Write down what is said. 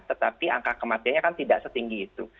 tetapi angka kematiannya kan tidak setinggi itu